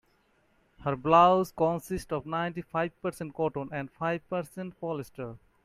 Her blouse consists of ninety-five percent cotton and five percent polyester.